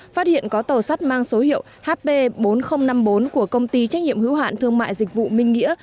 phát hiện có tàu sắt mang số hiệu hp bốn nghìn năm mươi bốn của công ty trách nhiệm hữu hạn thương mại dịch vụ minh nghĩa